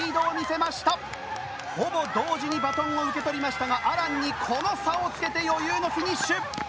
ほぼ同時にバトンを受け取りましたがアランにこの差をつけて余裕のフィニッシュ！